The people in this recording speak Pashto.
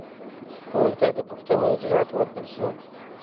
ټولو ته د پوښتنې جرئت ورکړل شي.